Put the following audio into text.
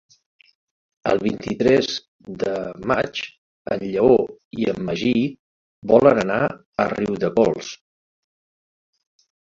El vint-i-tres de maig en Lleó i en Magí volen anar a Riudecols.